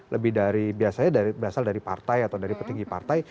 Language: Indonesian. lebih dari biasanya berasal dari partai atau dari petinggi partai